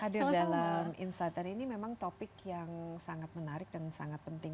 hadir dalam insight dan ini memang topik yang sangat menarik dan sangat penting